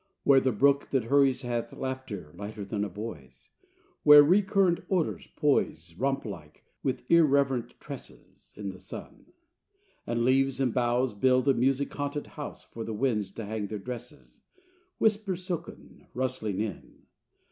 Where the brook that hurries hath Laughter lighter than a boy's; Where recurrent odors poise, Romp like, with irreverent tresses, In the sun; and leaves and boughs Build a music haunted house For the winds to hang their dresses, Whisper silken, rustling in.